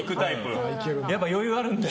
やっぱり余裕あるんで。